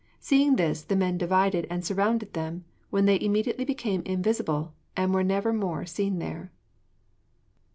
Seeing this, the men divided and surrounded them, when they immediately became invisible, and were never more seen there.